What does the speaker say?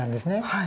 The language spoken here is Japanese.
はい。